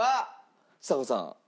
ちさ子さん